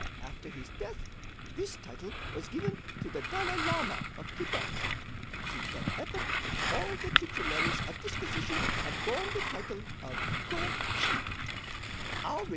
After his death, this title was given to the Dalai Lama of Thibet. Since that epoch, all the titularies of this position have borne the title of Go Chi.